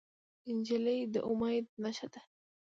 نجلۍ د امید نښه ده.